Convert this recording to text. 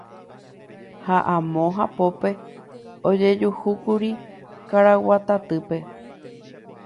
Ha amo hapópe ojejuhúkuri karaguatatýpe.